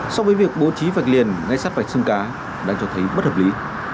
so với việc bố trí vạch liền ngay sát vạch sông cá đang cho thấy bất hợp lý